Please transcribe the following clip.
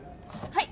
はい？